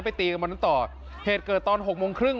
ไปตีกับเขามาต่อเหตุเกิดตอนหกโมงครึ่ง